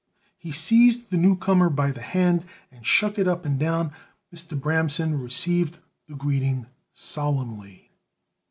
He seized the newcomer by the hand and shook it up and down. Mr. Bramson received the greeting solemnly.